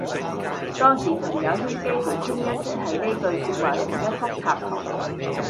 當時朋友圈幾乎清一色係呢句說話同一幅插圖